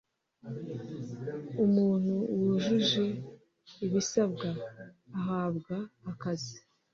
umuntu wujuje ibisabwa ahabwa akazi